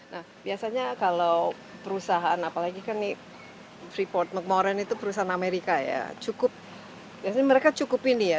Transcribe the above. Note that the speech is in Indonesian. nah biasanya kalau perusahaan apalagi kan ini freeport mcmoran itu perusahaan amerika ya cukup biasanya mereka cukup ini ya